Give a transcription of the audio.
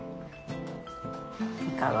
いかが？